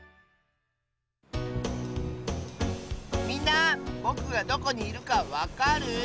みんなぼくがどこにいるかわかる？